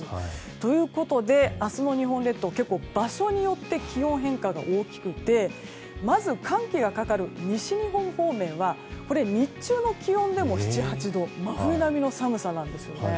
ということで、明日の日本列島は場所によって気温変化が大きくてまず寒気がかかる西日本方面は日中の気温でも７８度と真冬並みの寒さなんですね。